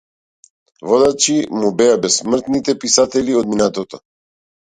Водачи му беа бесмртните писатели од минатото.